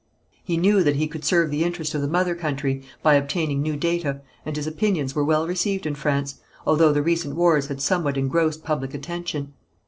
He knew that he could serve the interest of the mother country by obtaining new data, and his opinions were well received in France, although the recent wars had somewhat engrossed public attention.